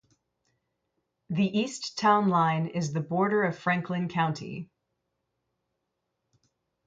The east town line is the border of Franklin County.